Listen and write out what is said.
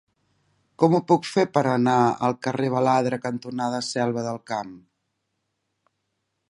Com ho puc fer per anar al carrer Baladre cantonada Selva del Camp?